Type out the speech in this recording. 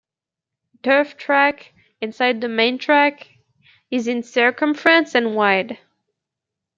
A turf track, inside the main track, is in circumference and wide.